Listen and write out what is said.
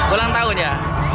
ulang tahun ya